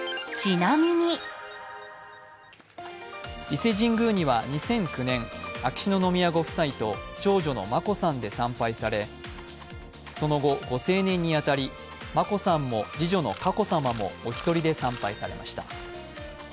伊勢神宮には２００９年、秋篠宮ご夫妻と長女の眞子さんで参拝されその後、ご成年に当たり眞子さんも次女の佳子さまもお一人で参拝されました。